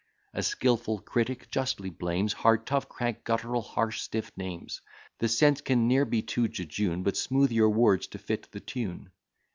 A skilful critic justly blames Hard, tough, crank, guttural, harsh, stiff names The sense can ne'er be too jejune, But smooth your words to fit the tune.